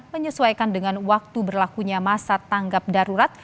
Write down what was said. menyesuaikan dengan waktu berlakunya masa tanggap darurat